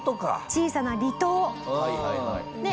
小さな離島。